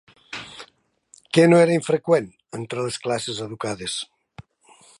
Què no era infreqüent entre les classes educades?